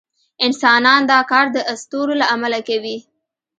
انسانان دا کار د اسطورو له امله کوي.